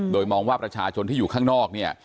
โดยมองว่าประชาชนที่อยู่ข้างนอกเนี่ย